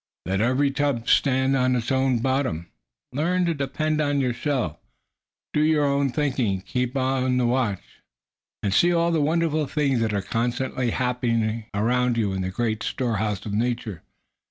"Let every tub stand on its own bottom." "Learn to depend on yourself; do your own thinking; keep on the watch, and see all the wonderful things that are constantly happening around you in the great storehouse of Nature."